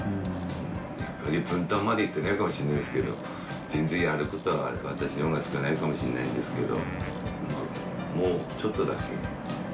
役割分担までいってないかもしれないですけど、全然やることは私のほうが少ないかもしれないんですけど。